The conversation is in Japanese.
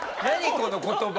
この言葉！